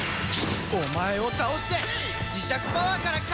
お前を倒して磁石パワーから解放だ！